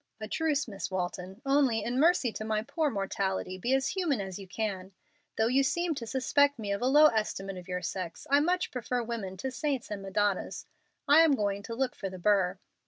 "A truce, Miss Walton; only, in mercy to my poor mortality, be as human as you can. Though you seem to suspect me of a low estimate of your sex, I much prefer women to saints and Madonnas. I am going to look for the burr."